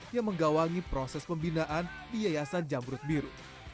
yang menggawangi proses pembinaan di yayasan jamrut biru